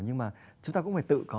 nhưng mà chúng ta cũng phải tự có